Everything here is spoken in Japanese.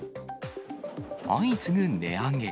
相次ぐ値上げ。